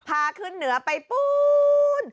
พาขึ้นเหนือไปปูน